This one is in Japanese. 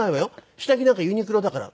下着なんかユニクロだから」。